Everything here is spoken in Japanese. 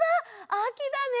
あきだね！